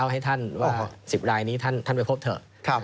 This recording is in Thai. ให้ท่านว่า๑๐รายนี้ท่านไปพบเถอะ